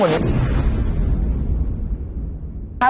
บุญพะใบตัวม้าแบบเสียหาย